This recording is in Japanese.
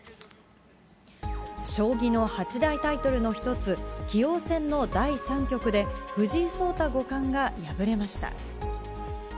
将棋の８大タイトルの１つ、棋王戦の第３局で、藤井聡太五冠が敗れました。